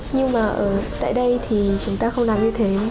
nhưng mà ở tại đây thì chúng ta không làm như thế